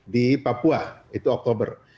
di papua itu oktober